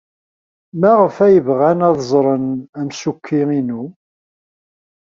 Maɣef ay bɣan ad ẓren amsukki-inu?